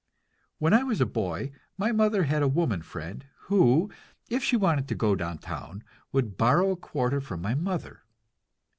When I was a boy my mother had a woman friend who, if she wanted to go downtown, would borrow a quarter from my mother.